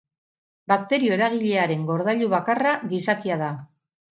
Bakterio eragilearen gordailu bakarra gizakia da.